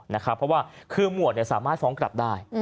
เพราะว่าคือหมวดสามารถฟ้องกลับได้